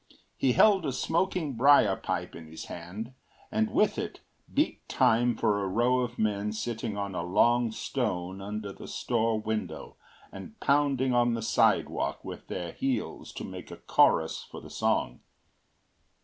He held a smoking briar pipe in his hand, and with it beat time for a row of men sitting on a long stone under the store window and pounding on the sidewalk with their heels to make a chorus for the song.